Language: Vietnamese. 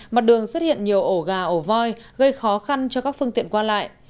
mặt đường xuất hiện nhiều ổ gà ổ voi gây khó khăn cho các phương tiện qua lại